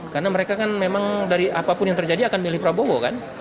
karena mereka kan memang dari apapun yang terjadi akan milih prabowo kan